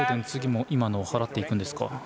次も今のを払っていくんですか。